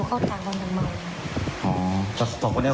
เพราะกลับมาเป็นยังไง